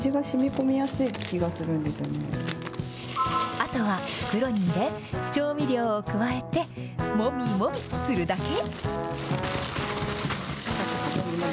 あとは袋に入れ、調味料を加えて、もみもみするだけ。